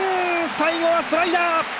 最後はスライダー！